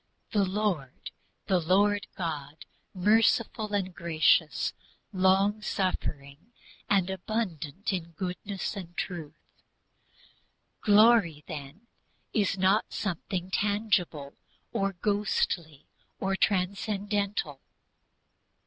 the Lord, the Lord God, merciful and gracious, long suffering and abundant in goodness and truth." Glory then is not something intangible, or ghostly, or transcendental.